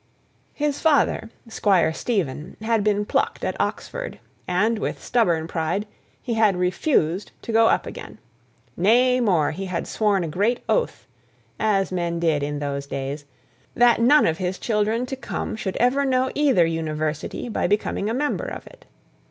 His father, Squire Stephen, had been plucked at Oxford, and, with stubborn pride, he had refused to go up again. Nay, more! he had sworn a great oath, as men did in those days, that none of his children to come should ever know either university by becoming a member of it.